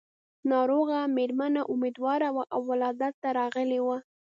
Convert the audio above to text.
ناروغه مېرمنه اميدواره وه او ولادت ته راغلې وه.